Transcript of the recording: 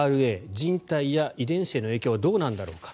人体や遺伝子への影響はどうなんだろうか。